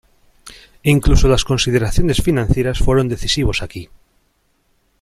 Incluso las consideraciones financieras fueron decisivos aquí.